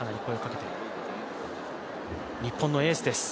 日本のエースです。